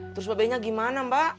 terus babinya gimana mbak